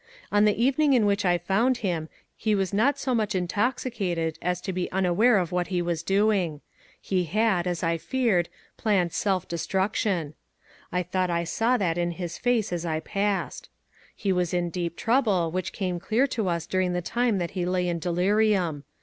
On the evening in which I found him, he was not so much intoxicated as to be unaware of what he was doing. He had, as I feared, planned self destruction. I thought I saw that in his face as I passed. He was in deep trouble, which became clear to us during the time that he lay in delirium.